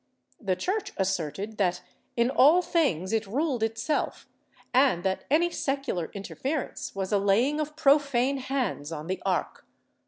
The Church asserted that in all things it ruled itself, and that any secular interference was a laying of profane hands on the Ark.